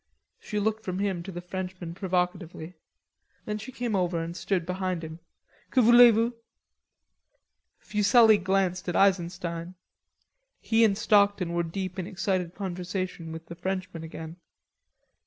She looked from him to the Frenchman provocatively. Then she came over and stood behind him. "Que voulez vous?" Fuselli glanced at Eisenstein. He and Stockton were deep in excited conversation with the Frenchman again.